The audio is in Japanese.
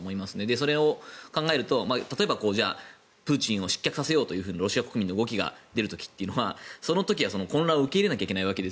それを考えると例えばプーチンを失脚させようというロシア国民の動きが出る時というのはその時は混乱を受け入れなきゃいけない。